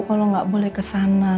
kalau gak boleh kesana